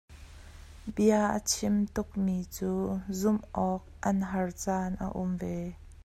Bia a chim tuk mi cu zumh awk an har caan a um ve.